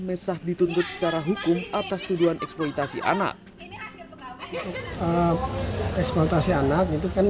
mesah dituntut secara hukum atas tuduhan eksploitasi anak eksploitasi anak itu kan